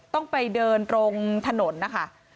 ต้องไปเดินตรงถนนนะคะ